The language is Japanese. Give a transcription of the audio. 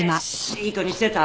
いい子にしてた？